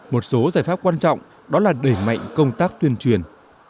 một số giải pháp quan trọng đó là đẩy mạnh công tác tuyên truyền